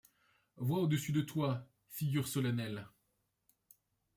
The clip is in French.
Vois au-dessous de toi, figure solennelle